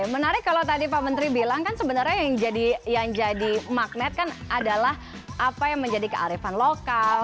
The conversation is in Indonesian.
menarik kalau tadi pak menteri bilang kan sebenarnya yang jadi magnet kan adalah apa yang menjadi kearifan lokal